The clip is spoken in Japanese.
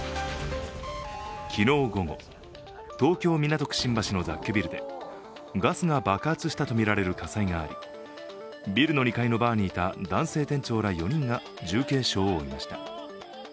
昨日午後、東京・港区新橋の雑居ビルでガスが爆発したとみられる火災があり、ビルの２階のバーにいた男性店長ら４人が重軽傷を負いました。